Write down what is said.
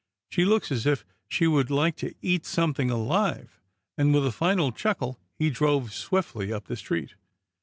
She looks as if she would like to eat something alive," and, with a final chuckle, he drove swiftly up the street.